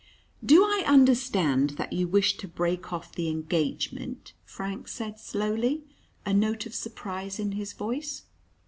"Do I understand that you wish to break off the engagement?" Frank said slowly, a note of surprise in his voice.